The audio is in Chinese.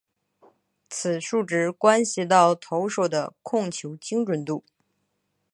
此数值关系到投手的控球精准度。